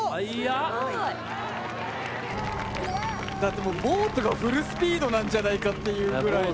だってもうボートがフルスピードなんじゃないかっていうぐらいの。